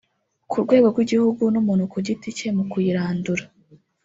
ku rwego rw’igihugu ndetse n’umuntu ku giti cye mu kuyirandura